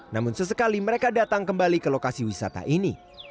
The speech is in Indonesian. namun sesekali mereka datang kembali ke lokasi wisata ini